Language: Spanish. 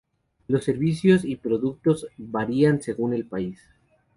Los servicios y productos varían según el país.